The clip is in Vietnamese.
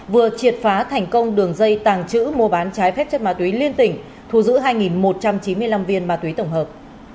vừa triệt phá thành công đường dây tàng trữ mua bán trái phép chất ma túy liên tỉnh thu giữ hai một trăm chín mươi năm viên ma túy tổng hợp